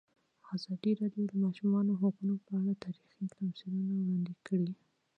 ازادي راډیو د د ماشومانو حقونه په اړه تاریخي تمثیلونه وړاندې کړي.